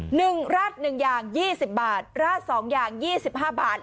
หนึ่งราดหนึ่งอย่างยี่สิบบาทราดสองอย่างยี่สิบห้าบาท